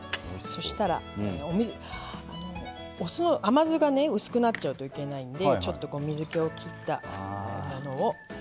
そしたら甘酢がね薄くなっちゃうといけないんでちょっと水けを切ったものを。